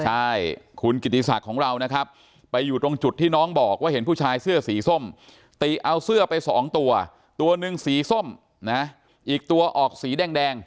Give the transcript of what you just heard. ใช่คุณกิติศักดิ์ของเรานะครับไปอยู่ตรงจุดที่น้องบอกว่าเห็นผู้ชายเสื้อสีส้มติเอาเสื้อไปสองตัวตัวหนึ่งสีส้มนะอีกตัวออกสีแดง